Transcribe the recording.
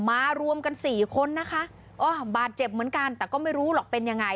รวมกันสี่คนนะคะก็บาดเจ็บเหมือนกันแต่ก็ไม่รู้หรอกเป็นยังไง